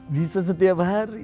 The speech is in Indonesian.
bisa setiap hari